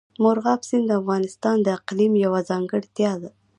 مورغاب سیند د افغانستان د اقلیم یوه ځانګړتیا ده.